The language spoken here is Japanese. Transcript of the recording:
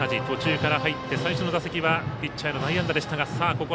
途中から入って最初の打席はピッチャーの内野安打でした。